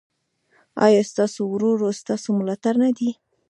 ایا ستاسو ورور ستاسو ملاتړ نه دی؟